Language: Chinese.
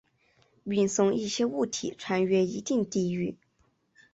运送一些物体穿越一定地域。